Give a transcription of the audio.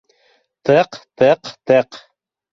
Тыҡ-тыҡ-тыҡ.